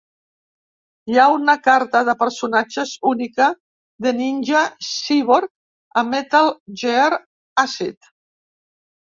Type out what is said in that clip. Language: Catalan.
Hi ha una carta de personatges única de Ninja Cyborg a "Metal Gear Acid".